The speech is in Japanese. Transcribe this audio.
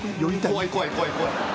怖い怖い怖い怖い。